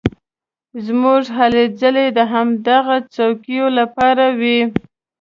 زموږ هلې ځلې د همدغو څوکیو لپاره وې.